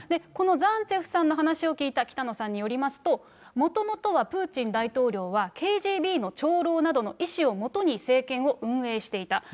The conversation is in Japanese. このザンツェフさんの話を聞いた北野さんによりますと、もともとはプーチン大統領は、ＫＧＢの長老などの意思を基に政権を運営していた。